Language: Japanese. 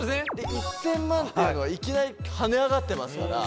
１０００万っていうのはいきなり跳ね上がってますから。